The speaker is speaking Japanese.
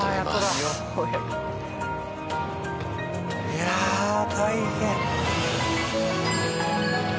いや大変。